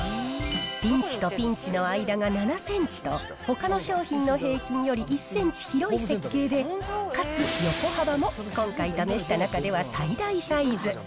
ピンチとピンチの間が７センチと、ほかの商品の平均より１センチ広い設計で、かつ横幅も今回試した中では最大サイズ。